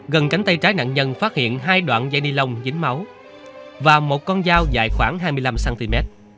gần cánh tay trái nạn nhân phát hiện hai đoạn dây ni lông dính máu và một con dao dài khoảng hai mươi năm cm